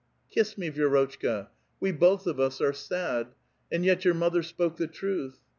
" Kiss me, Vii'rotchka. We both of us are sad; and yet your motlier spoke the truth.